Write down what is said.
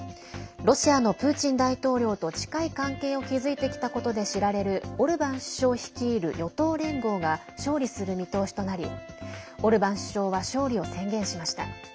ロシアのプーチン大統領と近い関係を築いてきたことで知られるオルバン首相率いる与党連合が勝利する見通しとなりオルバン首相は勝利を宣言しました。